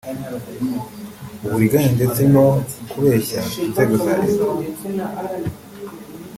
uburiganya ndetse ngo no kubeshya inzego za Leta